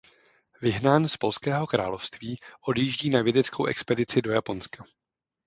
Vyhnán z Polského království odjíždí na vědeckou expedici do Japonska.